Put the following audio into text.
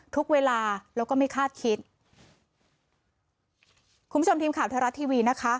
ทุกเวลาแล้วก็ไม่คาดคิดคุณผู้ชมทีมข่าวไทยรัฐทีวีนะคะ